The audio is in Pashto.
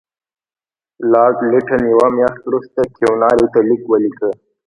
لارډ لیټن یوه میاشت وروسته کیوناري ته لیک ولیکه.